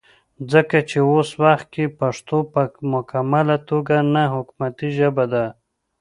ځکه چې وس وخت کې پښتو پۀ مکمله توګه نه حکومتي ژبه ده